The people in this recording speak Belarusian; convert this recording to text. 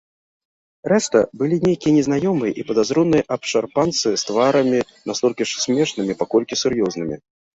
Рэшта былі нейкія незнаёмыя і падазроныя абшарпанцы з тварамі настолькі ж смешнымі, паколькі сур'ёзнымі.